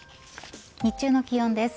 日中の気温です。